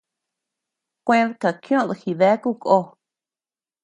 Kued kakioʼöd jideku ko.